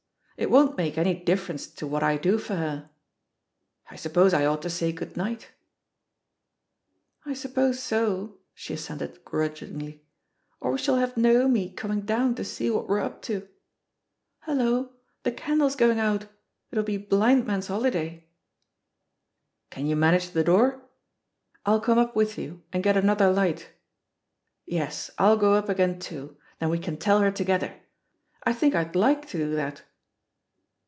It won't make any difference to what I do for her. ••. I suppose I ought to say *good night' ?" "I suppose so," she assented grudgingly, "or we shall have Naomi coming down to see what we're up to. Hullo I the candle's going out; it'll be blind man's holiday." "Can you manage the door? ... I'll come up with you and get another light. Yes, I'll go up again, too — then we can tell her together. I think I'd like to do that."